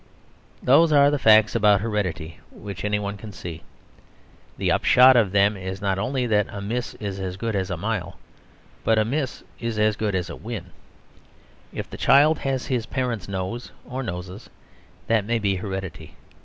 Those are the facts about heredity which anyone can see. The upshot of them is not only that a miss is as good as a mile, but a miss is as good as a win. If the child has his parents' nose (or noses) that may be heredity.